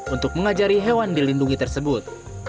untuk mengajari hewan dilindungi tersebut